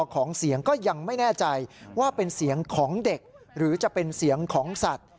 ของเสียงก็ยังไม่แน่ใจว่าเป็นเสียงของเด็กหรือจะเป็นเสียงของสัตว์